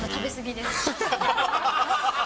食べ過ぎです。